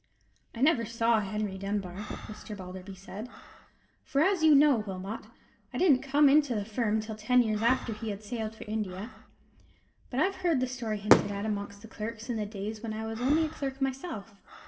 "I never saw Henry Dunbar," Mr. Balderby said; "for, as you know, Wilmot, I didn't come into the firm till ten years after he sailed for India; but I've heard the story hinted at amongst the clerks in the days when I was only a clerk myself."